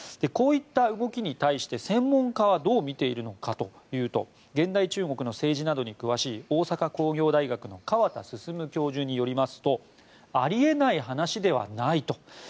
こういった動きに対して専門家はどう見ているのかというと現代中国の政治などに詳しい大阪工業大学の川田進教授によりますとあり得ない話ではないと。